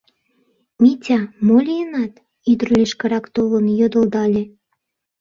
— Митя, мо лийынат? — ӱдыр лишкырак толын йодылдале.